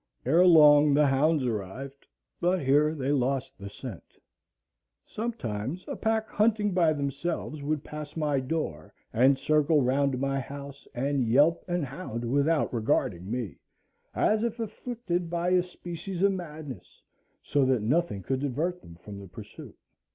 Ere long the hounds arrived, but here they lost the scent. Sometimes a pack hunting by themselves would pass my door, and circle round my house, and yelp and hound without regarding me, as if afflicted by a species of madness, so that nothing could divert them from the pursuit.